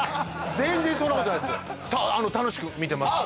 全然そんなことないですよあっ